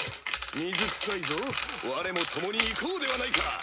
水くさいぞわれも共に行こうではないか！